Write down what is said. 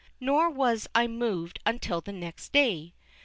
Nor was I moved until the next day.